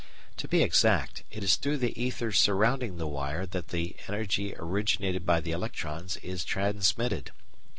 To be exact, it is through the ether surrounding the wire that the energy originated by the electrons is transmitted.